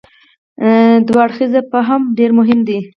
دوه اړخیز فهم ډېر مهم دی.